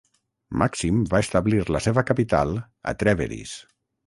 Màxim va establir la seva capital a Trèveris.